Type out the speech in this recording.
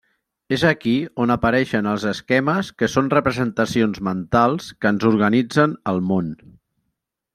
És aquí on apareixen els esquemes que són representacions mentals que ens organitzen el món.